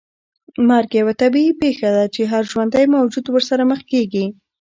مرګ یوه طبیعي پېښه ده چې هر ژوندی موجود ورسره مخ کېږي.